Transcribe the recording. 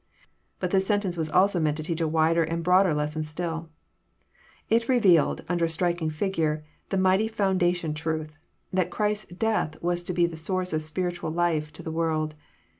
But this sentence was also meant to teach a wider and broader lesson still. It revealed, under a striking figure, the mighty foundation truth, that Christ's death was to be the source of spiritual life to the world.